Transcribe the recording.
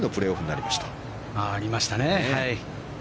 ありましたね。